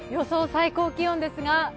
最高気温ですが？